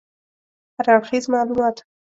هراړخیز معلومات